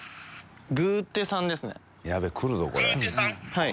はい。